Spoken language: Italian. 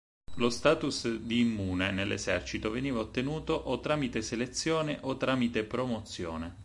Lo status di immune nell'esercito veniva ottenuto o tramite selezione o tramite promozione.